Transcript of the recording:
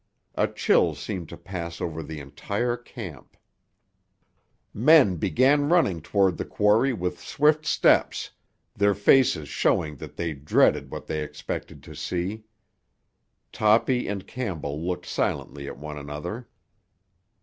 A chill seemed to pass over the entire camp. Men began running toward the quarry with swift steps, their faces showing that they dreaded what they expected to see. Toppy and Campbell looked silently at one another.